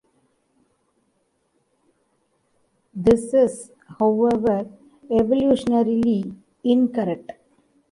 This is, however, evolutionarily incorrect.